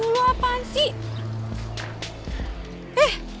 aduh lu apaan sih